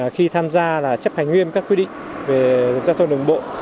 khi tham gia là chấp hành nguyên các quy định về giao thông đồng bộ